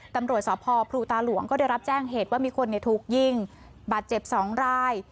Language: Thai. ตำรวจสพภูตาหลวงก็ได้รับแจ้งเหตุว่ามีคนถูกยิงบาดเจ็บ๒ราย